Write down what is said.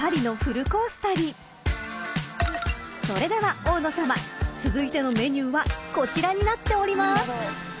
［それでは大野さま］［続いてのメニューはこちらになっております］